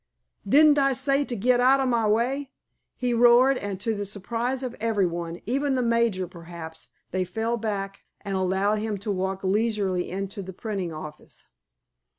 "Didn't I say to get out o' my way?" he roared, and to the surprise of everyone even the major, perhaps they fell hack and allowed him to walk leisurely into the printing office.